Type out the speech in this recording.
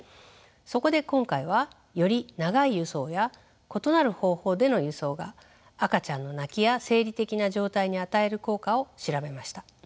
そこで今回はより長い輸送や異なる方法での輸送が赤ちゃんの泣きや生理的な状態に与える効果を調べました。